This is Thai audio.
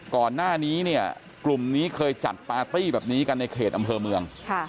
ก่อนหน้านี้เนี่ยกลุ่มนี้เคยจัดปาร์ตี้แบบนี้กันในเขตอำเภอเมือง